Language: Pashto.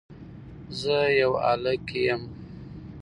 زه يو هلک يم